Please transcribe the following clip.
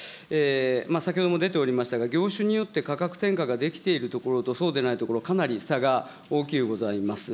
先ほども出ておりましたが、業種によって価格転嫁ができているところとそうでないところと、かなり差がおおきゅうございます。